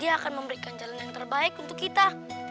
dia akan memberikan jalan yang terbaik untuk kita